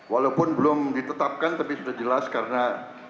walaupun belum ditetapkan tapi sudah jelas karena